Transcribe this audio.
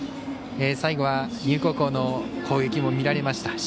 最後は、丹生高校の攻撃も見られました。